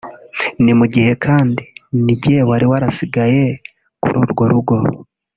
ni mu gihe kandi nijye wari warasigaye kuri urwo rugo